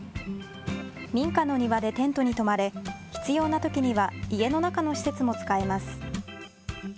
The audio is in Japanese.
民家の庭でテントに泊まれ必要なときには家の中の施設も使えます。